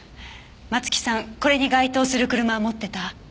松木さんこれに該当する車持ってた？